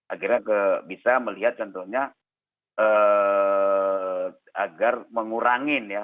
akhirnya bisa melihat contohnya agar mengurangi ya